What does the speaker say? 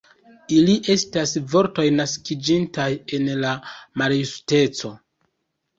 Ili estas vortoj naskiĝintaj en la maljusteco.